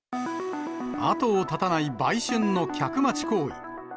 後を絶たない売春の客待ち行為。